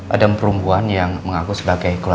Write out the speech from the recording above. ada perempuan yang mengaku sebagai keluarga sumarno pak